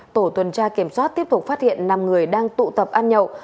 tổ tuần tra kiểm soát tiếp tục phát hiện năm người đang tụ tập ăn nhậu